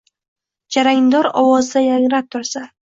Jarangdor ovozda yangrab tursa